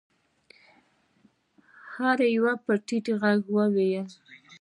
هر يوه به په ټيټ غږ ويل.